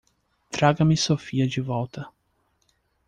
Traga-me Sophia de volta.